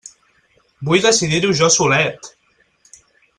Vull decidir-ho jo solet!